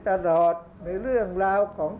ภาคอีสานแห้งแรง